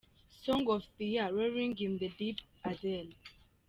Song of the Year – Rolling In The Deep, Adele.